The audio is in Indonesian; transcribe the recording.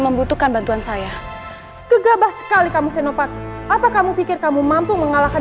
membutuhkan bantuan saya kegabah sekali kamu sinovac apa kamu pikir kamu mampu mengalahkan